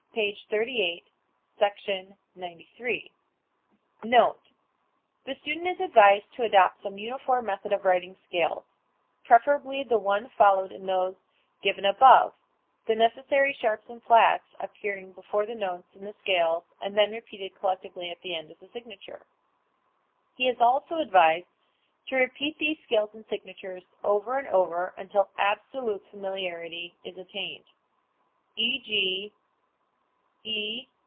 p. 38, Sec. 93.) Note. The student is advised to adopt some uniform method of writing scales, preferably the one followed in those given above, the necessary sharps and flats appearing before the notes in the scale and then repeated collectively at the end as a signature. He is also advised to repeat these scales and signatures over and over until absolute familiarity is attained. _E.